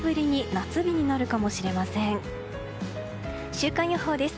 週間予報です。